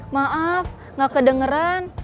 maaf gak kedengeran